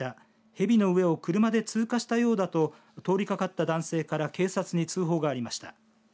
蛇の上を車で通過したようだと通りがかった男性から警察に通報がありました。